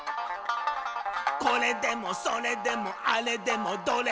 「これでもそれでもあれでもどれでも」